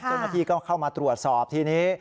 เจ้าหน้าที่ก็เข้ามาตรวจสอบทีนี้